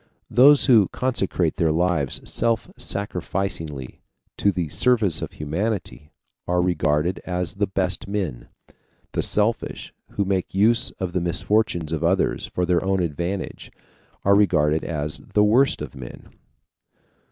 Those who consecrate their lives self sacrificingly to the service of humanity are regarded as the best men. The selfish, who make use of the misfortunes of others for their own advantage, are regarded as the worst of men.